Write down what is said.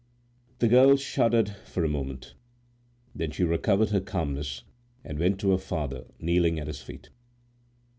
The girl shuddered for a moment; then she recovered her calmness, and went to her father, kneeling at his feet.